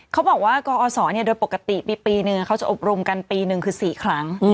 เขาบอกว่ากอศโดยปกติปีนึงเขาจะอบรมกันปีหนึ่งคือ๔ครั้ง